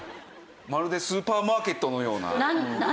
まるでスーパーマーケットのような。